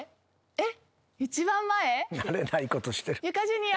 えっ。